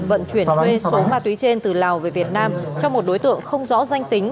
vận chuyển thuê số ma túy trên từ lào về việt nam cho một đối tượng không rõ danh tính